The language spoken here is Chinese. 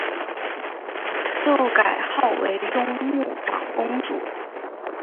又改号为雍穆长公主。